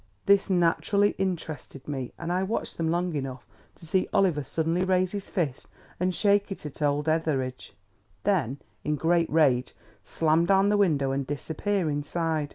This naturally interested me, and I watched them long enough to see Oliver suddenly raise his fist and shake it at old Etheridge; then, in great rage, slam down the window and disappear inside.